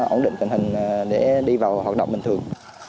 ổn định tình hình để đi vào hoạt động bình thường